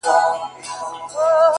او په گوتو کي يې سپين سگريټ نيولی؛